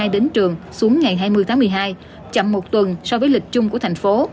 đến trường xuống ngày hai mươi tháng một mươi hai chậm một tuần so với lịch chung của thành phố